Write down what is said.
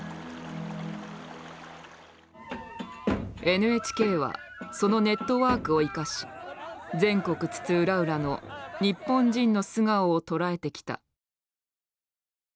ＮＨＫはそのネットワークを生かし全国津々浦々の日本人の素顔を捉えてきた。